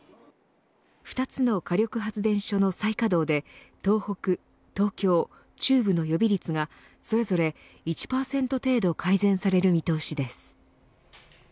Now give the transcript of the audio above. ２つの火力発電所の再稼働で東北・東京・中部の予備率がそれぞれ１％程度改善される見通しです。